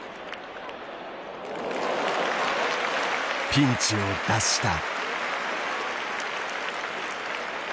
ピンチを脱した。